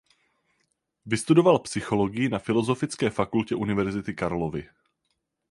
Vystudoval psychologii na Filozofické fakultě Univerzity Karlovy.